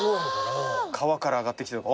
川から上がってきてとか。